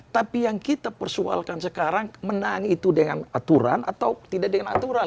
tapi yang kita persoalkan sekarang menang itu dengan aturan atau tidak dengan aturan